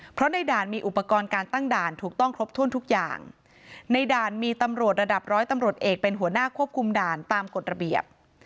เพราะในด่านมีอุปกรณ์การตั้งด่านถูกต้องครบถ้วนทุกอย่างในด่านมีตำรวจระดับร้อยตำรวจเอกเป็นหัวหน้าควบคุมด่านตามกฎระเบียบ